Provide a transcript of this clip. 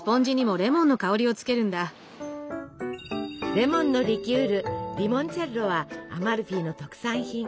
レモンのリキュールリモンチェッロはアマルフィの特産品。